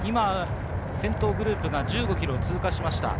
先頭グループが１５ｋｍを通過しました。